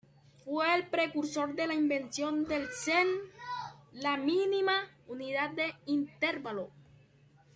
Fue el precursor de la invención del cent, la mínima unidad de intervalo.